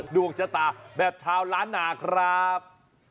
ดวงชะตาแบบชาวล้านนาครับ